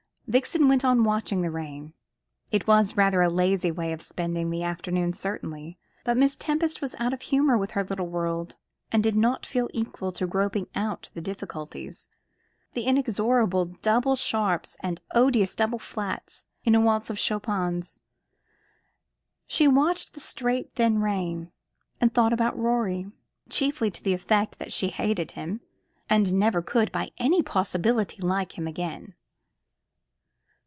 Vixen went on watching the rain. It was rather a lazy way of spending the afternoon certainly, but Miss Tempest was out of humour with her little world, and did not feel equal to groping out the difficulties, the inexorable double sharps and odious double flats, in a waltz of Chopin's. She watched the straight thin rain, and thought about Rorie chiefly to the effect that she hated him, and never could, by any possibility, like him again.